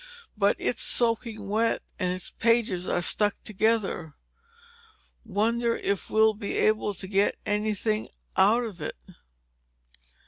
But it's soaking wet and its pages are stuck together. Wonder if we'll be able to get anything out of it?"